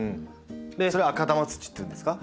それ赤玉土っていうんですか？